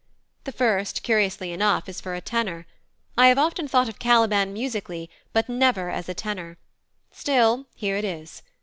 The first, curiously enough, is for a tenor: I have often thought of Caliban musically, but never as a tenor; still, here it is.